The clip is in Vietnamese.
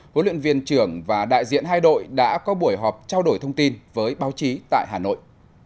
huấn luyện viên trưởng và đại diện hai đội đã có buổi họp trao đổi thông tin với báo chí tại hà nội